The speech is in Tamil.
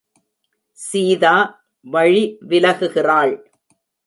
சீதா வழி விலகுகிறாள்.